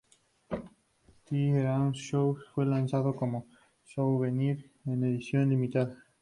The Erasure Show fue lanzado como souvenir en edición limitada.